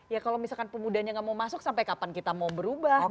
ya kalau misalkan pemudanya nggak mau masuk sampai kapan kita mau berubah